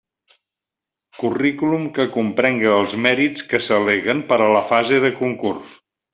Currículum que comprenga els mèrits que s'al·leguen per a la fase de concurs.